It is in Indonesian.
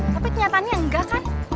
tapi kenyataannya enggak kan